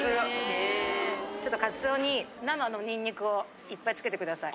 ・へぇ・ちょっとカツオに生のにんにくをいっぱいつけてください。